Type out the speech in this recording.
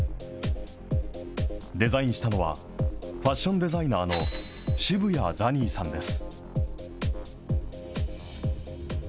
デザインしたのは、ファッションデザイナーの渋谷ザニーさんです。